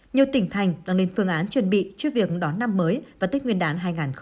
nhiều tỉnh thành đang lên phương án chuẩn bị cho việc đón năm mới và tết nguyên đán hai nghìn hai mươi một